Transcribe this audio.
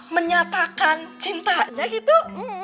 menyatakan cintanya gitu